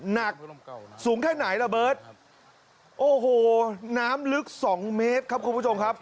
หนักสูงแค่ไหนระเบิร์ตโอ้โหน้ำลึกสองเมตรครับคุณผู้ชมครับ